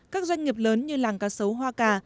các doanh nghiệp lớn như làng cá sấu hoa cà